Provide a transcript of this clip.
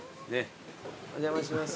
お邪魔します。